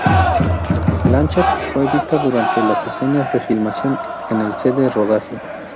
Blanchett fue vista durante las escenas de filmación en el set de rodaje.